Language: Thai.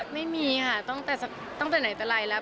ไม่มีค่ะตั้งแต่ไหนแต่ไรแล้ว